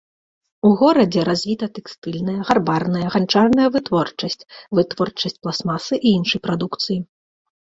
У горадзе развіта тэкстыльная, гарбарная, ганчарная вытворчасць, вытворчасць пластмасы і іншай прадукцыі.